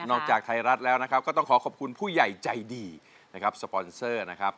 จากไทยรัฐแล้วนะครับก็ต้องขอขอบคุณผู้ใหญ่ใจดีนะครับสปอนเซอร์นะครับ